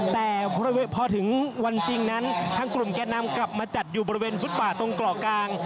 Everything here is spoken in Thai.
แต่พอถึงวันจริงนั้นทางกลุ่มแก่นำกลับมาจัดอยู่บริเวณฟุตบาทตรงเกาะกลาง